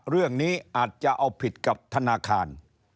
เรื่องนี้อาจจะเอาผิดกับธนาคาร